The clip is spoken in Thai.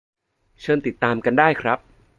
เชิญติดตามกันได้ครับ